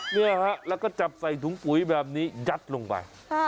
เนี่ยฮะแล้วก็จับใส่ถุงปุ๋ยแบบนี้ยัดลงไป